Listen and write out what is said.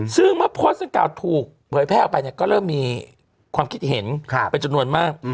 ซึ่งเมื่อโพสต์ดังกล่าวถูกเผยแพร่ออกไปเนี่ยก็เริ่มมีความคิดเห็นเป็นจำนวนมาก